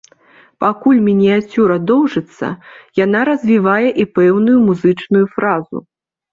Пакуль мініяцюра доўжыцца, яна развівае і пэўную музычную фразу.